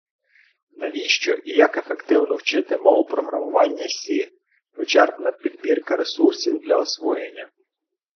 Навіщо і як ефективно вчити мову програмування Сі: вичерпна підбірка ресурсів для освоєння